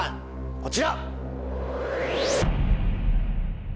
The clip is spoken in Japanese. こちら！